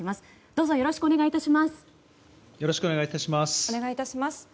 どうぞよろしくお願い致します。